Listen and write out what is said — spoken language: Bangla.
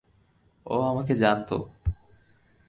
ও আমাকে জানতো।